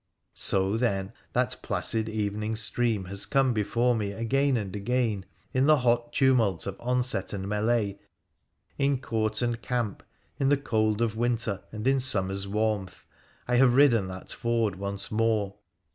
So, then — that placid evening stream has come before me again and again— in the hot tumult of onset and melee, in court and camp, in the cold of winter and in summer's warmth, I have ridden that ford once more.